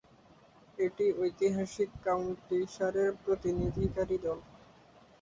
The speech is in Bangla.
এটি ঐতিহাসিক কাউন্টি সারের প্রতিনিধিত্বকারী দল।